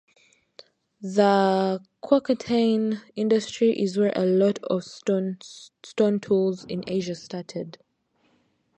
The Choukoutienian industry is where a lot of the stone tools in Asia started.